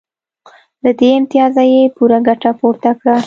له دې امتیازه یې پوره ګټه پورته کړه